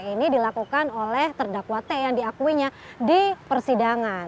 ini dilakukan oleh terdakwate yang diakuinya di persidangan